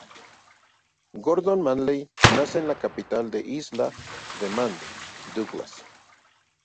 Gordon Manley nace en la capital de isla de Man: Douglas.